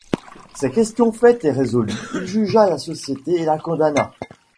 Ces questions faites et résolues, il jugea la société et la condamna.